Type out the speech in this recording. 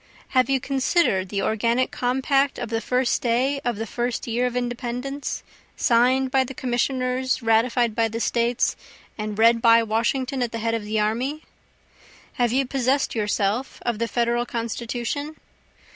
Have you consider'd the organic compact of the first day of the first year of Independence, sign'd by the Commissioners, ratified by the States, and read by Washington at the head of the army? Have you possess'd yourself of the Federal Constitution?